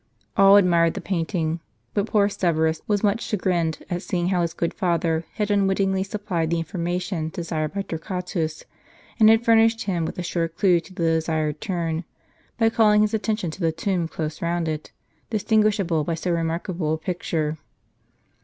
"* All admired the painting; but poor Severus was much chagrined at seeing how his good father had unwittingly supplied the information desired by Torquatus, and had fur nished him with a sure clue to the desired turn, by calling his attention to the tomb close round it, distinguishable by so remarkable a picture.